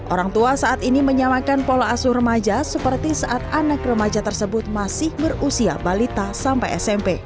orang tua saat ini menyamakan pola asuh remaja seperti saat anak remaja tersebut masih berusia balita sampai smp